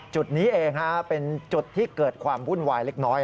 จุดนี้เองเป็นจุดที่เกิดความวุ่นวายเล็กน้อย